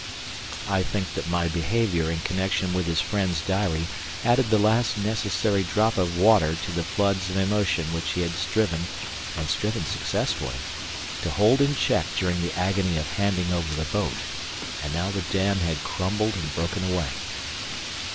I think that my behaviour in connection with his friend's diary added the last necessary drop of water to the floods of emotion which he had striven, and striven successfully, to hold in check during the agony of handing over the boat, and now the dam had crumbled and broken away.